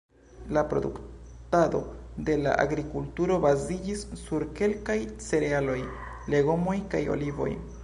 La produktado de la agrikulturo baziĝis sur kelkaj cerealoj, legomoj kaj olivoj.